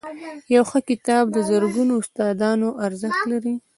• یو ښه کتاب د زرګونو استادانو ارزښت لري.